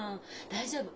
大丈夫。